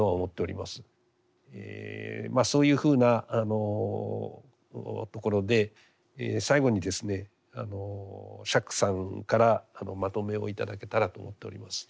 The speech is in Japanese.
まあそういうふうなところで最後にですね釈さんからまとめを頂けたらと思っております。